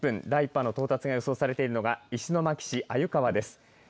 第１波の到達が予想されているのが石巻市鮎川です。